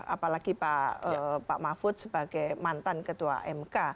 apalagi pak mahfud sebagai mantan ketua mk